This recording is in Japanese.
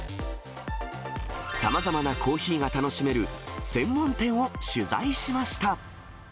さまざまなコーヒーが楽しめる専門店を取材しました。